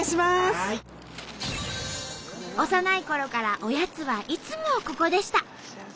幼いころからおやつはいつもここでした。